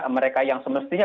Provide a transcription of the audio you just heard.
mereka yang semestinya